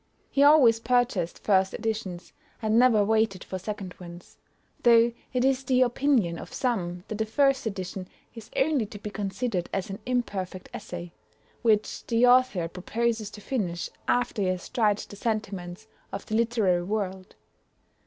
He always purchased first editions, and never waited for second ones; though it is the opinion of some that a first edition is only to be considered as an imperfect essay, which the author proposes to finish after he has tried the sentiments of the literary world.